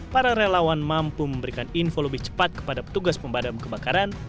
para relawan mampu memberikan info lebih cepat kepada petugas pemadam kebakaran